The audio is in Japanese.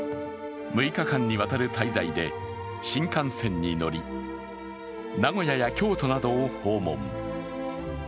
６日間にわたる滞在で、新幹線に乗り、名古屋や京都などを訪問。